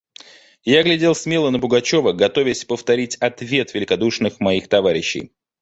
Я глядел смело на Пугачева, готовясь повторить ответ великодушных моих товарищей.